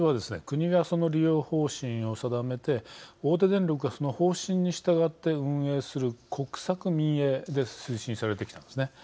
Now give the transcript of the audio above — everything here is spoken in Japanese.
国がその利用方針を定めて大手電力がその方針に従って運営する国策民営で推進されてきたんですね。